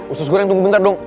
usus goreng tunggu bentar dong